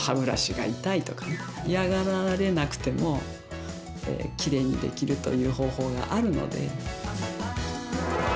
嫌がられなくてもきれいにできるという方法があるので。